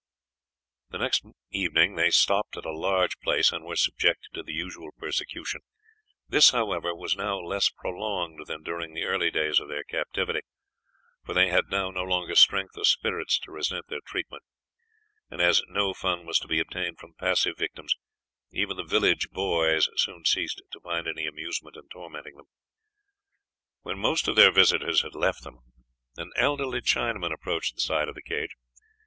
The next evening they stopped at a large place, and were subjected to the usual persecution; this, however, was now less prolonged than during the early days of their captivity, for they had now no longer strength or spirits to resent their treatment, and as no fun was to be obtained from passive victims, even the village boys soon ceased to find any amusement in tormenting them. When most of their visitors had left them, an elderly Chinaman approached the side of the cage.